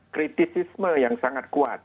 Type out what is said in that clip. kritisisme yang sangat kuat